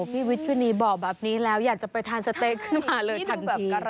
เดี๋ยวจะโทรตอนนี้เลยเหรอ